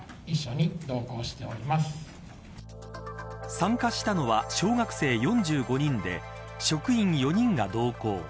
参加したのは小学生４５人で職員４人が同行。